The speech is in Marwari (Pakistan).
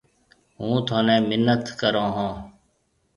هُون ٿوني مِنٿ ڪرو هون۔